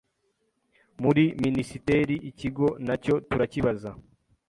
muri Minisiteri ikigo nacyo turakibaza